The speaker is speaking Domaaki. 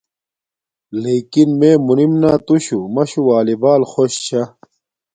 لݵکن مݺ مُنِم نݳ تُشݸ مَشݸ وݳلݵ بݳل خݸش چھݳ.